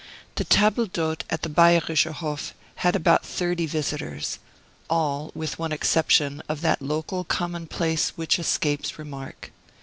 The table d'hote at the Bayerischer Hof had about thirty visitors all, with one exception, of that local commonplace which escapes remark.